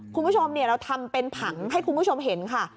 คุณผู้ชมเราทำเป็นผังให้คุณผู้ชมเห็นค่ะ